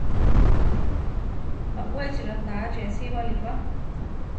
Baʼwéchi ratáachi asíbali pa.